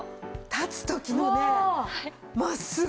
立つ時のね真っすぐ感。